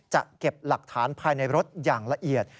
จะเก็บหลักฐานภายในรถอย่างละเอียด